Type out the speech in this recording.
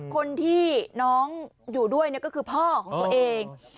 คนที่น้องอยู่ด้วยก็คือพ่อของตัวเอง